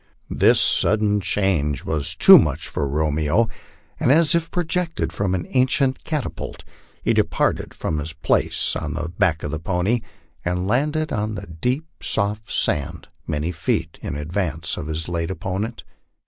This sudden change was too much for Romeo, and as if projected from an ancient catapult, he departed from his place on the back of the pony, and landed on the deep, soft sand, many feet in advance of his late opponent.